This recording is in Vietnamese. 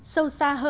sâu xa hợp